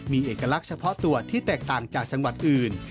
มีเอกลักษณ์เฉพาะตัวที่แตกต่างจากจังหวัดอื่น